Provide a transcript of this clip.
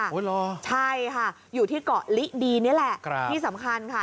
เหรอใช่ค่ะอยู่ที่เกาะลิดีนี่แหละครับที่สำคัญค่ะ